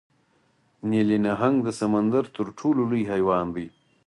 نیلي نهنګ د سمندر تر ټولو لوی حیوان دی